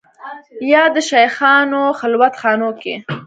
یا د شېخانو خلوت خانو کې